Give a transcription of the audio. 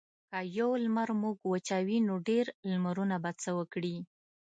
که یو لمر موږ وچوي نو ډیر لمرونه به څه وکړي.